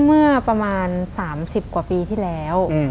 เมื่อประมาณ๓๐กว่าปีที่แล้ว